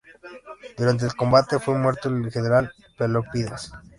Durante el combate fue muerto el general Pelópidas.